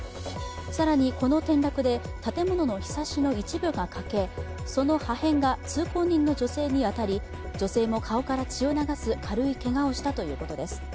更にこの転落で建物のひさしの一部が欠け、その破片が通行人の女性に当たり女性も顔から血を流す軽いけがをしたということです。